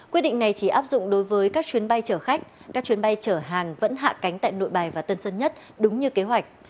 quyết định này chỉ áp dụng đối với các chuyến bay chở khách các chuyến bay chở hàng vẫn hạ cánh tại nội bài và tân sân nhất đúng như kế hoạch